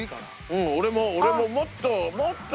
うん俺も俺ももっともっと。